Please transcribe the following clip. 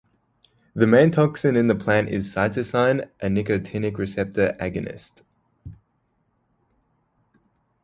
The main toxin in the plant is cytisine, a nicotinic receptor agonist.